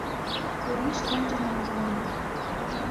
Курий шкенжыным ужален...